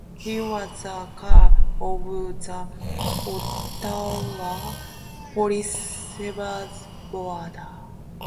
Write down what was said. He was the chair of the Ottawa Police Services Board.